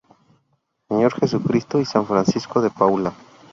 Sr. Jesucristo y San Francisco de Paula.